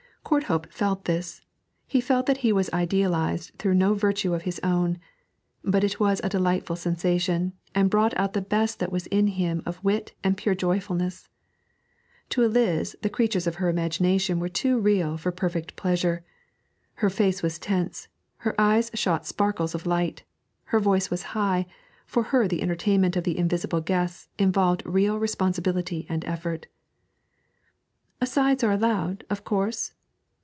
Courthope felt this he felt that he was idealised through no virtue of his own; but it was a delightful sensation, and brought out the best that was in him of wit and pure joyfulness. To Eliz the creatures of her imagination were too real for perfect pleasure; her face was tense, her eyes shot sparkles of light, her voice was high, for her the entertainment of the invisible guests involved real responsibility and effort. 'Asides are allowed, of course?'